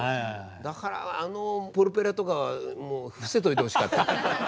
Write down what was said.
だからあのプロペラとかも伏せておいてほしかった。